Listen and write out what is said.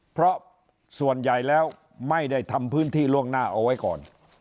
เพราะส่วนใหญ่แล้วไม่ได้ทำพื้นที่ล่วงหน้าเอาไว้ก่อน